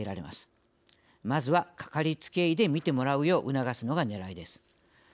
まずはかかりつけ医で診てもらうよう促すのがねらいです。